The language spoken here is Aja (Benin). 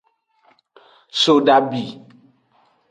Sodabi.